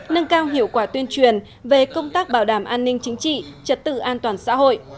nâng cao hiệu quả tuyên truyền về công tác bảo đảm an ninh chính trị trật tự an toàn xã hội